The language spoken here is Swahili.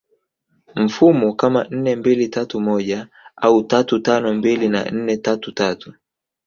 mfumo kama nne mbili tatu moja au tatu tano mbili na nne tatu tatu